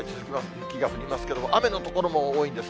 雪が降りますけれども、雨の所も多いんです。